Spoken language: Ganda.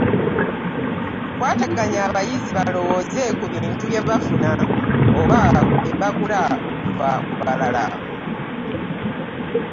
Kwataganya abayizi balowooze ku bintu bye bafuna oba bagula okuva ku balala.